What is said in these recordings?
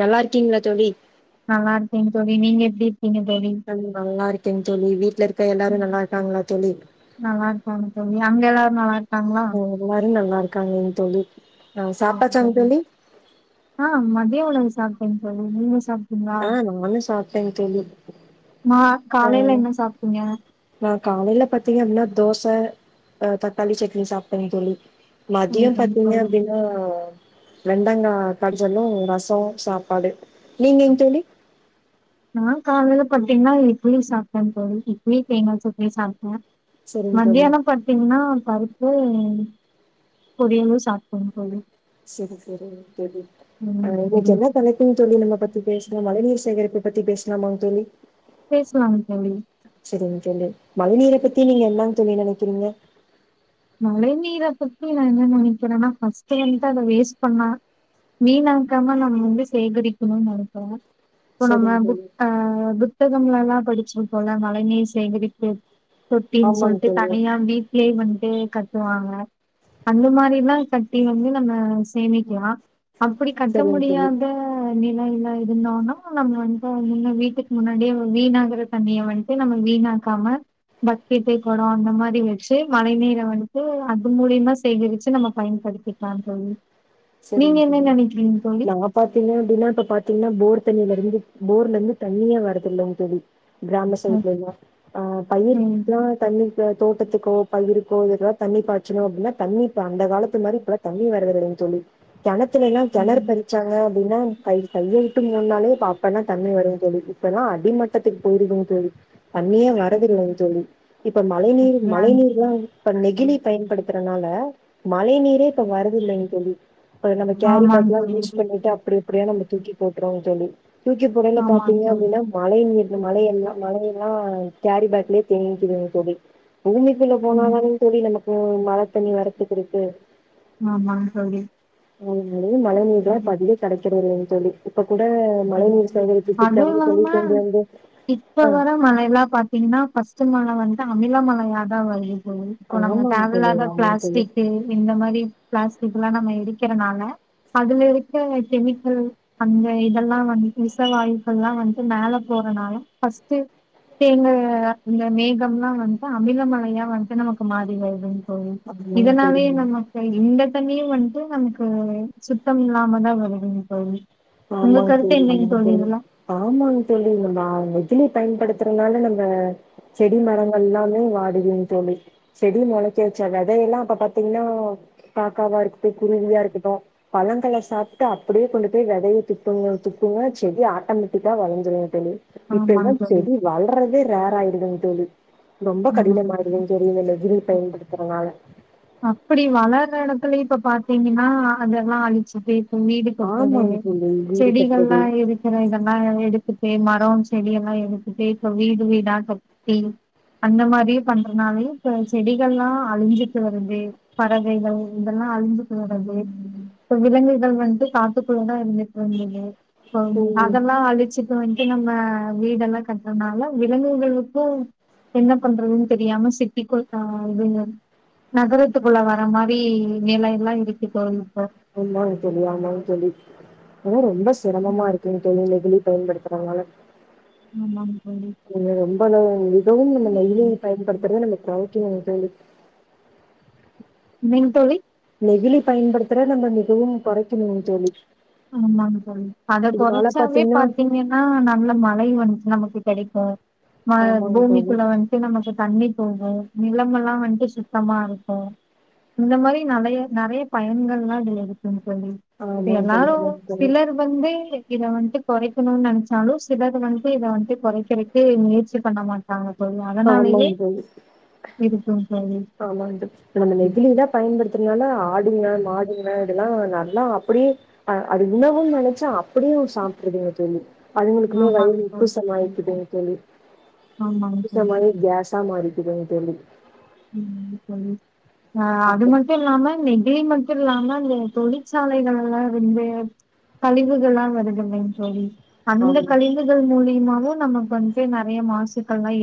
நல்லா இருக்கீங்ளாத் தோழி நல்லார்க்கேங்க தோழி நீங்க எப்டி இருக் கண்டிபா நல்லா இருக் க்கேங் தோலி வீட்லருக் ம் நல்லா இருக்காங்க தோழி அங்க எல்லாரு நல்லா இருக்காங்களா க்காங்கங் தோலி [unintelligible] ஆ மத்ய உணவு ஸ் சாப்டேங் தோழி நீங்க சாப் ட்டீங்களா ஆ நானு சாப்ட்டேங் தோழி மா ஆ காலைல என்ன சாப்ட்டீங்க நா காலைல பாத்தீங்க அப்டினா தோச ஆ தக்காளி சட்னி சாப்பிட்டேங்ங் தோலி மதியொ பாத்தீங்க அப்டின்னா வெண்டங்கா கடிச்சொன்னே ரசொ சாப் பாடு நீங்க எங் நா காலைல பாத்தீங்கன்னா இட்லி சாப்ட்டே தோழி இட்லி தேங்காசட்னியு சாப்ட்டே சரிங் தோழி மத்தியானோ பாத்தீங்கனா பருப்பு பொரியளு சாப்டேங் ‌தோழி செரி செரிங்க செரி சென்னை தனக்கின்தோலி நம்ம பத்தி பேசுனோ மழை நீர் சேகரிப்பு பத்தி பேஸ்லாமாங் தோலி பேசலாங்க தோழி செரிங்க தோலி மழை நீர பத்தி நீங்க என்னாங் தோலி நெனைக்கிறீங்க மழை நீரப் பத்தி நா என்ன நெனைக் க்கறேன்னா ஃபஸ்டேருந்து அது வேஸ்ட் பன்னா வீனாக்காம நம்ம வந்து சேகரிக்கணுன்னு நெனைக்கற இப்போ நம்ம சரிங்க புக் தோழி ஆ புக் புத்தகம்லலா படிச்சிருப்போல்ல மழை நீர் சேகரிப்பு தொட்டின் ஆமாங்க சொல்ட்டு தோழி தனியா வீட்லே வந் ஈ கட்டுவாங்க அந்த மாரிலா கட்டி வந்து நம்ம சேமிக்கலா அப்படி கட்ட சரிங்க தோழி முடியாத தண்ணில்லா இல்லா இருந்தோன்னா நம்ம வந்து முன்ன வீட்டுக்கு முன்னாடியே வீணாகற தண்ணிய வந்ட்டு நம்ம வீணாக்காம பக்கெட்டு கொடொ அந்த மாரி வச்சு மழை நீீர வந் ட்டு அது மூலியமா செகரிச்சு நம்ம பயன்படுத்திக்கலா தோழி நீங்க என்ன சரிங்க நெனைக்கிறீங்க [unintelligible] தோழி? நாங்க பாத்தீங்கன்னா எப்டின்னா இப்ப பாத்தீங்கன்னா போர் தண்ணில இருந்து போர்ல இருந்து தண்ணியே வரத் தில்லங்க தோழி கிராம அ சைட்ல எல்லா ஆ ஆமாங் பயிருக்லா தண்ணி தோட்டத்துக்கோ பயிருக் இப்போ இதுக்குல்லா தண்ணி பாய்ச்சணு அப்டின்னா தண்ணிப்ப அந்த காலத்து மாரி இப்பல்லா தண்ணி வரதில்லைங் தோலி கெணத்துலல்லா கெணறு பறிச்சாங்க அப்டின்னா கை கைய்ய உட்டு மோன்னாலே ப்ப அப்பல்லா தண்ணிவருங் தோலி இப்பலா அதே மாரி ட்டத்துக்கு போயிருதுங்க தோழி தண்ணியே வரதில்லைங்க தோலி இப்ப மழை நீர் மழைநீர் லா வந்து இப்ப நெகிழி பயன்படுத்துறனால மழை நீரே இப்ப வருதில்லைங்க தோழி இப்ப நம்ம கேரி பேக்ல்லா யூஸ் தோழி பண்ணிட்டு அப்டி அப்படியா நம்ம தூக்கி போட்டுறோ தோழி தூக்கிப் போடயில ஆமாங் பாத்தீங்க தோழி அப்டின்னா மழை நீர் மழையெல்லா மழையெல்லா கேரி பேக்லயே தேங்கிக்கிதுங்க தோலி பூமிக்குள்ள போனா தாங்க தோலி நமக்கு மழ தண்ணி வரதுக்கிருக்கு ஆமாங் தோழி [unintelligible] மழை நீர்லா பதிவே கடைக் கெடையாதுங்க தோலி இப்ப கூட மழை நீர் சேகரிப்பு அது திட்டம்னு சொல்லி இல்லாம கொண்டு வந்து இப்ப ஆ வர மழை எல்லா பாத்தீங்கன்னா பஃஸ்ட்டு மழ வந்தா அமில மழையா தா வருது ம் இப்போ நம்ம ஆமாங்க தோழி தேவல்லாத ஆமாங்க தோழி பிளாஸ்டிக்கு இந்த மாரி பிளாஸ் இதெல்லா நம்ம எரிக்கறனால அதுல இருக்க கெமிக்கல் அந்த இத் இதெல்லா வந்து விசவாயுக்கல்லா வந்து மேல போறனால ஃபர்ஸ்ட்டு தேங்க இங்க மேகம்ல்லா வந்ட்டு அமில மழையா வந் இப்ப நமக்கு மாரி வருதுங் ஓய் ஆமாங்க தோழி இதுனாலேயே நமக்கு இந்த தண்ணியே வந் ட்டு நமக்கு சுத்தம் இல்லாமதா வருதுங்க தோழி உங்க ஆமாங் கருத்து தோழி என்னங்க ஆமாங் தோழி இதுல? ஆமாங்க தோழி நம்ம இந்த இதுல பயன்படுத்துறதுனால நம்ப செடி மரங்கள்லாமே வாடு துங்க தோலி செடி மொளைக்க வச்ச வெதையல்லா அப்ப பாத்தீங்கன்னா காக்காவார்க்கு ட்டு குருவியா இருக்கட்டு பழங்கள சாப்டு அப்புடியே கொண்டு போய் வெத வெதைய துப்புங்க துப்புங்க செடி ஆட்டமேட்டிக்கா வளந்துருங் தோழி இப்ப ஆமாங்க எல்லாம் தோழி. செடி வளறதே ரேராயிடுதுங் தோழி ரொம்ப ஆமாங்க கடினமானது தோழி. நெகிழி இந்த நெகிழி பயன்படுத்துறனால அப்புடி வளற எடலத்துலயே இப்ப பாத்தீங்கன்னா அதெல்லா அழிச்சு பேத் வீடு ஆமாங்க கொட்டுறது தோழி வீடு செடிகள் கட்டுறது எல்லா இருக்குற இதெல்லா எடுத்துட்டு ம லாம் செடி எல்லா எடுத்துட்டு இப்ப வீடு வீடா கப் டி அந்த மாரி பண்றதுனாலயே இப்ப செடிகள் எல்லா அழுஞ்சு வருது பறவைைகள் இதெல்லா அழுஞ்சிட்டு வருது இப்ப விலங்குகள் வந்து காட்டுக்குள்ளதா இருந்துட்டு வந்தது இப்போம் ம் அதல்லா அழுச்சுட் ட்டு வந்து நம்ம வீடெல்லா கட்டுறதுனால விலங்குகளுக்கு என்ன பண்றதுன் தெரியாம சிட்டிக்குள் ஆ இதுங்க நகரதுக்குள்ள வர மாரி நிலை எல்லா இருக்கு தோழி இப்போ ஆமாங் தோழி ஆமாங் தோழி [unintelligible] ரொம்ப சிரமமா இருக்குங் தோழி நெகிழி பயன்படுத் படுத்துறனால ஆமாங்க தோழி ரொம்ப மிகவு நம்ம நெகிழி பயன்படுத்தறது நமக்கு சொல்லுங்க தோழி நீங்க தோழி நெகிழி பயன்படுத்துற நம்ம மிகவும் குறைக்கணுங்க தோழி. ஆமாங்க தோழி அத கொறச்சாவே பாத்தீங்கன்னா நல்ல மழை நமக்கு கெடைக்கு மழ ஆமாங்க தோழி, பூமிக்குள்ள வந்துட்டு நமக்கு தண்ணி போகுங்கோ நிலம் எல்லா வந்து சுத்தமா இருக்கு இந்த மாரி நறைய நறைய பயன்கள் எல்லா இதுல இரு இருக்குங்க தோழி ஆமாங்க தோழி, எல்லாரு ஆமாங்க தோழி, பில்லரு வந்து இத வந்துட்டு கொறைக்கணும்னு நெனச்சாலு சில வந்துட்டு இத வந்துட்டு கொறைக்குறதுக்கு முயற்சி பண்ண மாட்டாங்க ஆமாங் தோழி இருக்கும் ஆமாங் தோழி நம்ம நெகிழிலா பயன்படுத்தறதுனால அ ஆடுங்க மாடுங்க இதெல்லா நல்லா அப்படிய அது இன்னவும் நெனச்சா அப் அப்படியும் சாப்புட்டுறதுங்கு தோழி அதுங்குளுக்குமே ஆமாங்க வயிறு உப்பு தோழி. சமாயிக்குதுங்க தோழி ஆமாங்க உப்பு சமாயி தோழி. கேஸா மாரிரு இருங்க தோழி ம் சொல்லு ஆ அது அப்ப மட்டு இல்லாம நீங் இது மட்டு இல்லாம இந்த தொழிற்சாலைகள் எல்லா வந்து கழிவுகள் எல்லா வருதுலைங் தோழி அந்த ஆமா, கழிவுகள் மூலியமாவு நமக்கு வந்துட்டு நறைய மாஸ் நச்சுக்கள் மாரி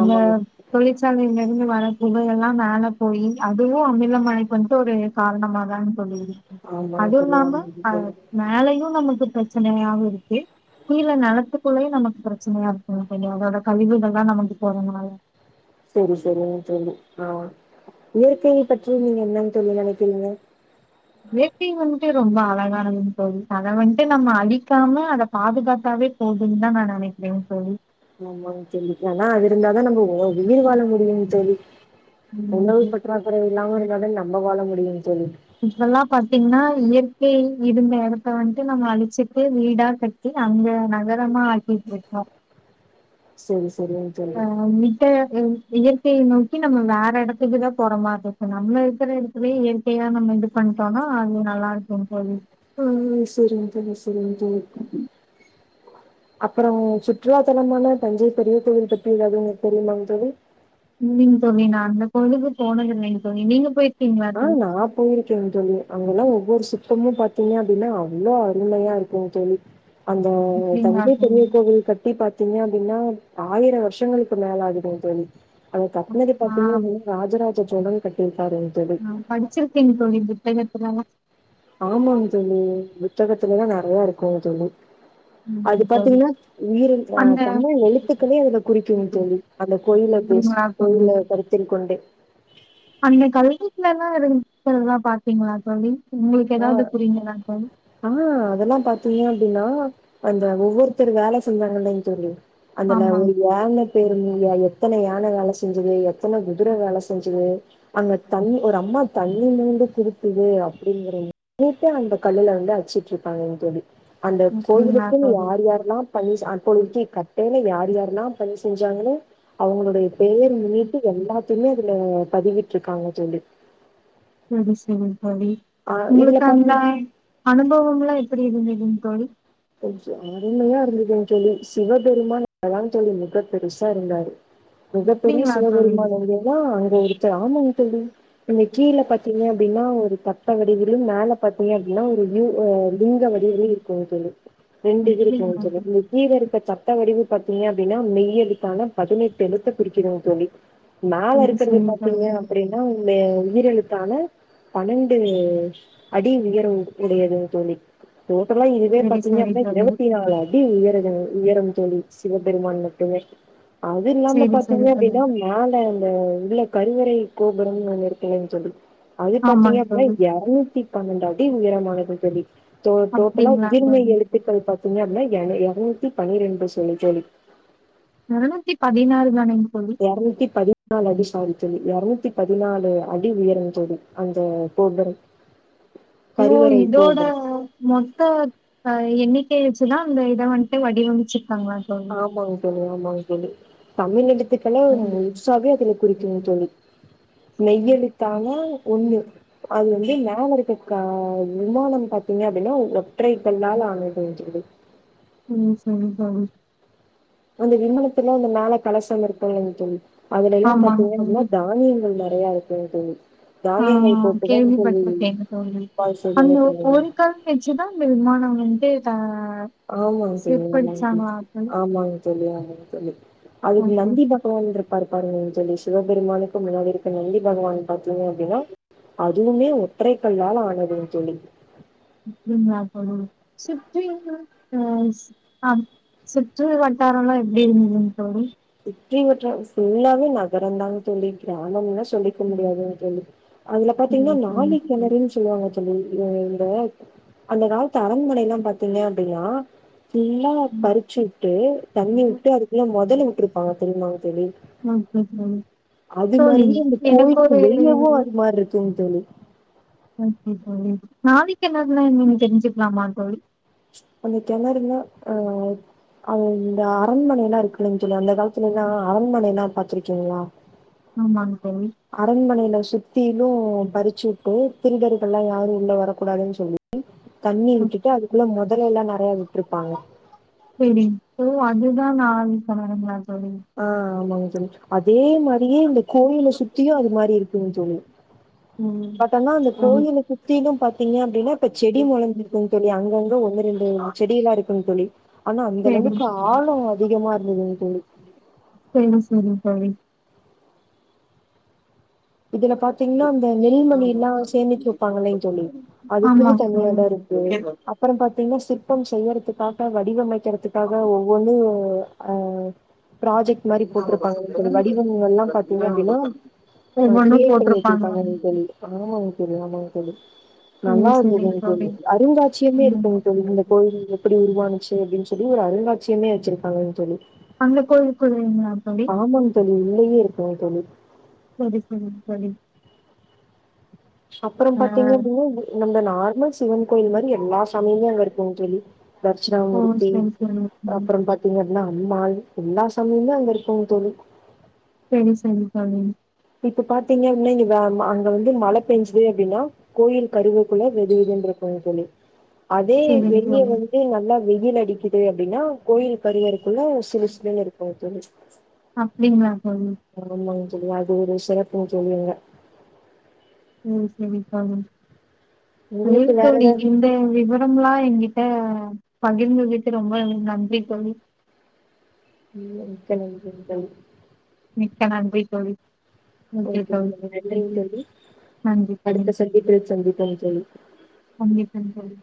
ஆமாங்க தோழி அந்த மேல இங்க இருந்து வர புகையெல்லாம் மேல போயி அதுவும் அமில மழைக்கு வந்துட்டு ஒரு காரணமா தாங் தோழி ஆமாங்க அதுவு தோழி இல்லாம ஆமாங்க தோழி. மேலையும் நமக்கு கஸ் பிரச்சனையாவு இருக்கு கீழ நிலத்துக்குள்ளயு நமக்கு பிரச்சனையா இருக்குங்க தோழி அதோட கழிவுகள்தா நமக்கு போறனால சேரி சேரிங்க தோழி ஆ இயற்கையை பற்றி நீங்க என்னங் தோழி நெனைக்கிறீங்க இயற்கை வந்துட்டு ரொம்ப அழகானதுங் தோழி அத வந்ன்டு நம்ம அழிக்காம அத பாதுகாத்தாவே போகுதுன்தா நா நெனைக்கிறங் தோழி ஆமாங் தோழி ஏனா அது இருந்தாதா நம்ம உயிர் வாழ முடியுங் தோழி ம் உணவு இல் பற்றாக்குறை இல்லாம இருந்தாதா நம்ம வாழ முடியுங்க தோழி. [inaudible] இதெல்லா பாத்தீங்கன்னா இயற் கை இருந்த எடத்த வந்துட்டு நம்ம அழிச்சுட்டு வீடா கட்டி அந்த நகரமா ஆக்கிட்ருக்கோ சொரிஸ் ஆ மித்த ங் இயற்கைய நோக்கி நம்ம வேற எடத்துக்குதா போற மாதிரி இருக்கு நம்மள இருக்குற எடத்துலயே இயற்கையதா நம்ம இது பண்டோனா அது நல்லா இருக்குங் தோழி ஆ சேரிங் தோழி சேரிங்க தோழி அப்புறம் சுற்றுலா தலமனா தஞ்சை பெரிய கோவில் பற்றி ஏதாவது உங்களுக் தெரியுமாங் தோழி இல்லைங் தோழி நா அந்த கோயிலுக்கு போனதில்லைங் தோழி நீங்க போயிருக் ஆ நா போயிருக்கேன் தோழி அங்கெல்லா ஒவ்வொரு சுத்தமு பாத்தீங்க அப்டின்னா அவ்ளோ அருமையா இருக்குங் தோழி அந்த இல்லைங்களா தந்ஜை பெரிய தோழி கோவில் கட்டி பாத்தீங்ப் அப்டின்னா ஆயிரோ வருஷங்களுக்கு மேல இருக்குங் தோழி அவ கட்னத ஆ பாத்தீங்கன்னா ராஜராஜ ஜ சோழன் கட்டியிருக்காருங் தோழி ஆ படிச்சிருக்கேங் தோழி புத்தகத்துலல்லா ஆமாங் தோழி இப் புத்தகத்துல எல்லா நறைய இருக்குங் தோழி ஆமாங்க அது தோழி பாத்தீங்கன்னா உயிரெழுத்துல அ அந்த தமிழ் எழுத்துக்களே அது குறிக்குங் தோழி அந்த கோயில பேஸ் அப்டிங்களா தோழி கோயில கருத்தில் கொண்டு லா இருக்குறதுல்லா பாத்தீங்களா தோழி உங்களுக்கு அதா ஏதாவது புரியுங்களா தோழி ஆ அதெல்லாம் பாத்தீங்க அப்டின்னா அந்த ஒவ்வொருத்தரு வேல செஞ்சாங்க இல்லைங் தோழி அந்ததுல ஆமாங்க ஒரு யான பேரு மா எத்தன யான வேல செஞ்சுது அப் ப்பன குதிர வேல செஞ்சுது அங்க தண்ணி ஒரு அம்மா தண்ணிலந்து குடுத்துது அப் அப்டி நேத்தே அந்த கல்லுல வந்து அச்சிட்டுப்பாங்கங் தோழி அந்த தோழி அப்டிங்களா கோயிலுக்குன்னு தோழி யார் யாரெல்லா பண்ணி அர்ப்பணித்து கட்டைல யார் யார்னா பயி செஞ்சாங்கலோ அவங்களுடைய பேரு மீட்டு எல்லாத்தைமே அதுல பதியிட்ருக்காங்க தோண்டி சரி சரி தோழி இதுல உங்களுக்கு பாத்தீ அந்த அனுபவம்லா எப்டி இருந்து லிங் தோழி கொஞ்ச அருமையா இருந்ததுன் தோழி சிவபெருமான் அத தா தோழி முகப் பெருசா இருந்தாரு மிகப்பெரிய அப்டிங்களா தோழி சிவபெருமா வந்திய தா அங்க ஒருடுத்த ராம [unintelligible] இந்த கீழே பாத்தீங்க அப்டினா ஒரு தட்ட வடிவிலு மேல பாத்தீங்க அப் என்ன ஒருயூ அ லிங்க வடிவிலு இருக்கு தோழி ரெண்டு டிகிரி [inaudible] அப்டிங்களா வட்ட வடிவு பாத்தீங்க அப்டின்னா மெய்யழுத்தான பதினெட்டு எழுத்த குறிக்கிதுங் தோழி மேல சரி இருக்கிறது சரி தோழி பாத்தீங்க அப்டின்னா உங்ளுடைய உயிரெழுத்தான பன்னெண்டு அடி உயரம் உடையது தோழி டோட்டலா இனிவே சரி பத்து சரி யாருந்த தோழி இருபத்தி நால அடி உயர உயரம் தோழி சிவபெருமான் மட்டுமே அது இல்லாம சரி பாத்தீங்க சரி தோழி அப்டின்னா மேல இந்த உள்ள கருவறை கோபுரம் ஒன்னு இருக்குல்லங் தோழி அது பாத்தீங்க ஆமாங்க அப்னா தோழி எறநூத்தி பண்ணண்டா டின் உயரமானது தோழி டோட்டலா அப்டிங்களா உதிர்மெய் தோழி திட்டுக்கள் பாத்தீங்க அப்னா ஏறனூத் பனிரெண்டு சொல்லி தோழி இருநூத்தி பதினாறு தானங் எரநூத்தி பதி பதினால அடி சாரித்தல்லி இருரநூத்தி பதினாலு அடி உயரம் தோழி அந்த கோபரம் ஓ இதோட மொத்த அ எண்ணிக் கை வச்சுதா அந்த இத வண்ட்டு வடி அமச்சு நாங்களா தோழி ஆமாங் தோழி தமிழடுத் அதுக்கெல்ல சகோதரியே குறிக்கோம் தோழி ம் மெய்யழுத்தானா ஒண்ணு அது வந்து மேலரக்க கா விமானம் பாத்தீங்க அப்படின்னா ஒற்றைக் கல்லால் ஆனதுங் தோழி ம், சரி தோழி அந்த விமனத்துல அந்த மேல கலசம் இருக்கும்லாங் தோழி அதுல எல்லாம் ஆமாங்க பார்த்தீங்கன்ன தோழி தானியங்கள் நெறையா இருக் தோ தோழி ஆ தானியங்கள் போட்டுதா கேள்வி தோழி பட்டு இருகேன் தோழி அந்த பாயாசமே பண்ணுவாங்க. ஒரு கல் வச்சுதான் அந்த விமானம் வந் கீழ் தா ஆமாங் தோழி ஆமாங் தோழி ஆமாங் தோழி ஆமா தோழி அதுக்கு ஓகே நந்தி பகவான் இருக் பர்ப்பார்ங்க தோழி சிவபெருமானுக்கு முன்னாடி இருக்க நந்தி பகவான் பாத்தீங்க அப்டினா அதுவுமே ஒற்றை கல்லால ஆனதுங் தோழி ம் ம் அப்படு சுற்றி ஆ அ சுற்று வட்டாரம்லாம் எப்படி இருந்ததுங் தோழி சுற்றி வட்டம் ஃபுல்லாவே நகரங் தாங் தோழி கிராமம்னா சொல்லிக்க முடியாதுங் தோழி அதுல பாத்தீங்னா நாழி கெணருனு சொல்வாங்க தோழி இவ்க [unintelligible] அந்த அந்த காலத்து அரெண்மனைலாம் பாத்தீங்க அப்டினா ஃபுல்லா ம் பறிச்சு விட்டு தண்ணி ஓகே விட்டு அதுக்குலா முதலை விட் பாங்க தெரியுமாங் தோழி தோழி அது தோழி மாரியே அந்த எனக்கு கோவிலுக்கு ஒரு வெளியவு அது மாரி இருக்குங் தோழி ஓகே தோழி நாழிக்கிணறு நா என்னானு தெரிஞ்சுக்கலாமா தோழி அந்த கெணறுணா ஆ அந்த அரண்மனை எல்லா இருக்கு இல்லங் தோழர் அந்த காலத்துல ஆ அரண்மனைலா பாத்திருக்கீங்ளா ஆமாங்க தோழி அரண்மனைலா சுத்திலும் பறிச்சிருக்கு திருடர்கலா யாரும் உள்ள வரக்கூடாதுனு சொல்லி தண்ணி ம், விட்டுட்டு அதுக்குள்ள முதலை எல்லா நா றையா விட்ருபாங்க சேரி சோ அதுதான் நான் சொல்லவர மேம் ஆ ஆமாங் [inaudible] அதே மாரியே இந்த கோயில சுத்தியும் அது மாரி இருக்குங் தோழி ம் பட் ஆனா அந்த ஆமா. கோயில சுத்திலும் பாத்தீங்க அப்டின்னா இப்ப செடி மொளஞ்சிருக்குங் தோழி அங்கங்க ஒன்னு ரெண்டு செடியில்லா இருக்குங் தோழி ஆனா அந்த சரி அளவுக்கு ஆலோ அதிகமா இருந்ததுங் தோழி சேரிங் சேரிங் தோழி இதுல பாத்தீங்கனா அந்த நெல்மணி எல்லா சேமிச்சு வெப்பாங் இல்லைங் தோழி ஆமா அதுக்கு தனி தோழி எடோ இருக்கு அப்புறம் பாத்தீங்கன்னா சிற்பம்ஸ் செய்யறதுக்காக வடிவமைக்க க்கிறதுக்காக ஒவ்வொன்னு அ ஃப்ராஜெக் ட்டு மாரி போட்ருப்பாங்க தோழி வடிவங்கல்லாம் பாத்தீங்க அப்டின்னா ஆ ஒவ்வொன்னும் கிரியேட் பண்ணி போட்டிருப்பாங்களா வெச்சுருப்பாங்க தோழி ஆமாங் தோழி ஆமாங் தோழி சரி சரி நல்லாருந்துங் தோழி அருங்காட்சியுமே இருக்குங் ம் தோழி இந்த கோயில் எப்புடி உருவானுச்சு அப்டின் சொல்லி ஒரு அருங்காட்சியமே வெச்சுருபாங்கங் தோழி அந்த கோயிலுக்குள்ளீங்ளா ஆமாங் தோழி உள்ளையே இருக் குங் தோழி செரி செரிங் தோழி அப்பறம் ஆ பாத்தீங்க அப்டின்னா நம்ம நார்மல் சிவன் கோயில் மாரி எல்லா சாமியுமே அங்க இருக்குங் தோழி ஓ தர்ட்சிணாமூர்த்தி சரி சரி தோழி. அப்புறம் பாத்தீங்க அப்டின்னா பெரும்மால் எல்லா சாமியுமே அங்க இருக்குங் தோழி செரிங் செரிங்க தோழி இப்ப பாத்தீங்க இன்னு இங்க வே அங்க வந்து மழ பேஞ்சுது அப்டினா கோயில் கருவர் குள்ள வெதுவெதுன் இருக்குங் தோழி அதே சரி வெளிய தோழி வந்து நல்லா வெயி வெயில் அடிக்குது அப்டின்னா கோயில் கருவரைக்குள்ள சிலு சிலுன்னு இருக்குங் தோழி அப்டிங்களா தோழி சொல்லுவாங் ஒரு சிறப்புன் சொல்லுவாங்க ம் சேரிங் தோழி உங்களுக்கு ஏங் வேற தோழி ஏதா இந்த விவரம்ல்லா எங்கிட்ட பகிர்ந்ததுக்கு ரொம்ப நன்றி தோழி ம் மிக்க நன்றி தோழி மிக்க நன்றி தோழி ஓக்கே ஓகேங்க தோழி நன்றிங்க ம்ம்ம் தோழி நன்றி தோழி அடுத்த சந்திப்பில் மிக்க சந்திப்போம் தோழி நன்றி தோழி